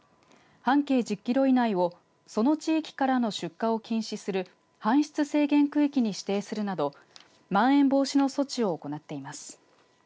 半径１０キロ以内をその地域からの出荷を禁止する搬出制限区域に指定するなどまん延防止の措置を行っています。